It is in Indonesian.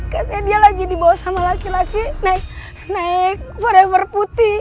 katanya dia lagi dibawa sama laki laki naik freever putih